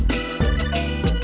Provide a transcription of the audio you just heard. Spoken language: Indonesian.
terima kasih bang